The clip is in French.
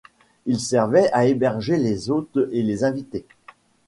Ils servaient à héberger les hôtes et les invités.